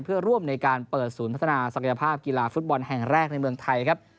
เพื่อร่วมในการเปิดศูนย์พัฒนาศักยภาพกีฬาฟุตบอลแห่งแรกในเมืองไทยครับ